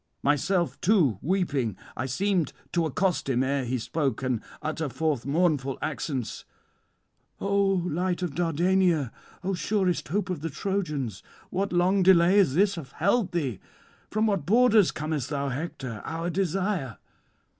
Myself too weeping I seemed to accost him ere he spoke, and utter forth mournful accents: "O light of Dardania, O surest hope of the Trojans, what long delay is this hath held thee? from what borders comest thou, Hector our desire?